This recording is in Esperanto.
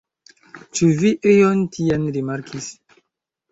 Ĉu vi ion tian rimarkis?